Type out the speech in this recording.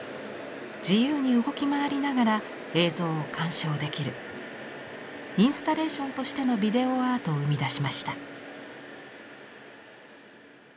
自由に動き回りながら映像を鑑賞できるインスタレーションとしてのビデオアートを生み出しました。